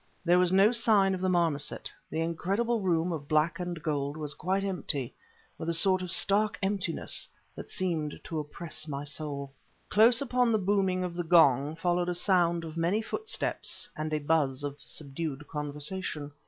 There was no sign of the marmoset; the incredible room of black and gold was quite empty, with a sort of stark emptiness that seemed to oppress my soul. Close upon the booming of the gong followed a sound of many footsteps and a buzz of subdued conversation.